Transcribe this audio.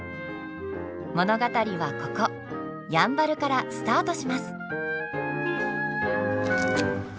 物語はここやんばるからスタートします！